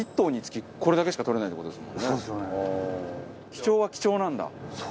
貴重は貴重なんだ。